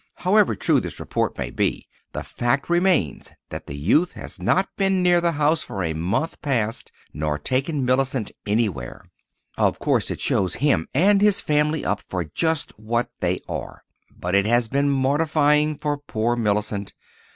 However true this report may be, the fact remains that the youth has not been near the house for a month past, nor taken Mellicent anywhere. Of course, it shows him and his family up—for just what they are; but it has been mortifying for poor Mellicent.